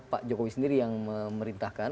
pak jokowi sendiri yang memerintahkan